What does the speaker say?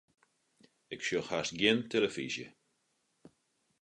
Ik sjoch hast gjin telefyzje.